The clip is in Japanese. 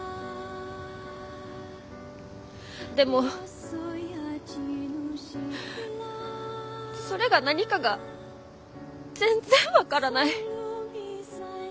でもそれが何かが全然分からない。